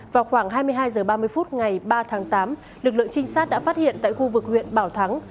vào khoảng hai mươi hai h ba mươi phút ngày ba tháng tám lực lượng trinh sát đã phát hiện tại khu vực huyện bảo thắng